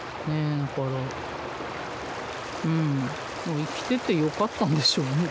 だからうん生きててよかったんでしょうね